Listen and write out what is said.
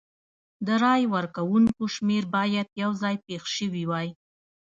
د رای ورکوونکو شمېر باید یو ځای پېښ شوي وای.